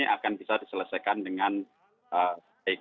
akan bisa diselesaikan dengan baik